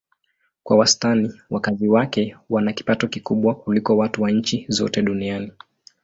Kwa wastani wakazi wake wana kipato kikubwa kuliko watu wa nchi zote duniani.